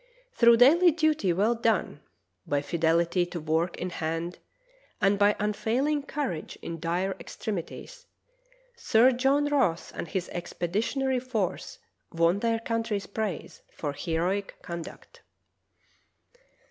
Through daily duty well done, by fidelity to work in hand, and by unfailing courage in dire extremities, Sir John Ross and his expeditionary force won their coun try's praise for heroic conduct.